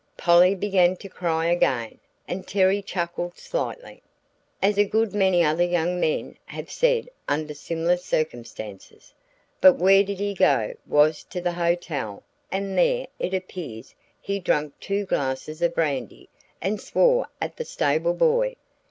Polly began to cry again, and Terry chuckled slightly. "As a good many other young men have said under similar circumstances. But where he did go, was to the hotel; and there, it appears, he drank two glasses of brandy and swore at the stable boy.